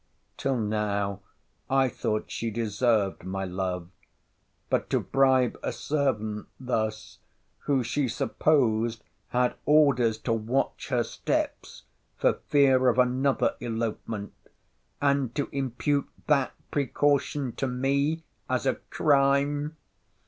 Till now, I thought she deserved my love—But to bribe a servant thus, who she supposed had orders to watch her steps, for fear of another elopement; and to impute that precaution to me as a crime!